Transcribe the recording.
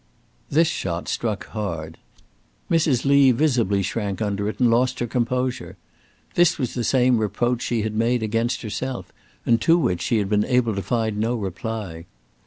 This shot struck hard. Mrs. Lee visibly shrank under it, and lost her composure. This was the same reproach she had made against herself, and to which she had been able to find no reply.